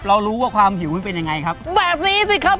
เรารู้ว่าความหิวมันเป็นยังไงครับแบบนี้สิครับ